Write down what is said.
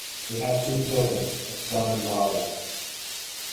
They had two children (a son and daughter).